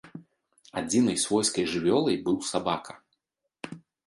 Адзінай свойскай жывёлай быў сабака.